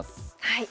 はい。